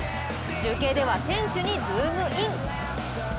中継では選手にズームイン！